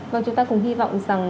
và chúng ta cũng hy vọng rằng